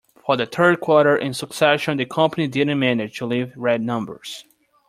For the third quarter in succession, the company didn't manage to leave red numbers.